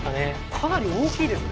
かなり大きいですね。